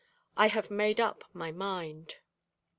I have made up my mind.'